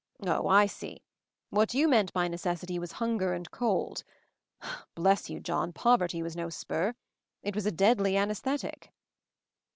Oh, I see! What you meant by necessity was hunger and cold. Bless you, John, poverty was no spur. It vwas a deadly anaesthetic."